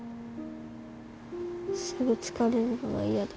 すぐ疲れるのが嫌だ。